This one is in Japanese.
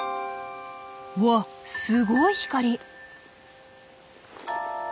わっすごい光！